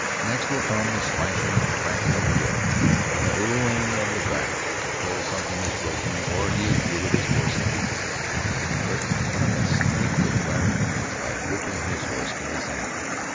Next will come the slashing and cracking of the whip, and hallooing of the driver, till something is broken or he is through with his course of treatment. But what a mistake the driver commits by whipping his horse for this act.